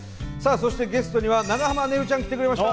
そしてゲストには長濱ねるちゃん来てくれました！